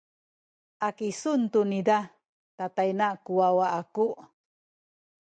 a kisuen tu niza tatayna ku wawa aku.